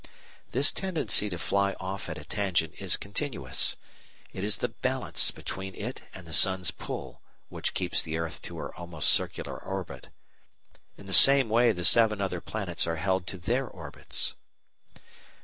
This tendency to fly off at a tangent is continuous. It is the balance between it and the sun's pull which keeps the earth to her almost circular orbit. In the same way the seven other planets are held to their orbits.